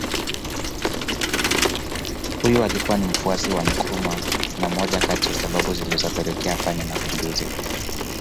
Huyu alikuwa ni mfuasi wa Nkrumah na moja kati ya sababu zilizopelekea afanye Mapinduzi